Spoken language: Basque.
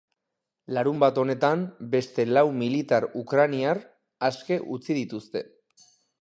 Larunbat honetan, beste lau militar ukrainar aske utzi dituzte.